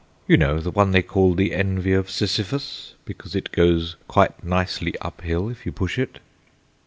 You know, the one they call 'The Envy of Sisyphus,' because it goes quite nicely up hill if you push it."